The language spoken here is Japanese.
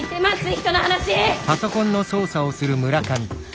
人の話！